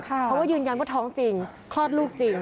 เพราะว่ายืนยันว่าท้องจริงคลอดลูกจริง